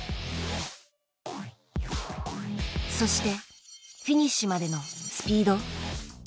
そしてフィニッシュまでのスピード。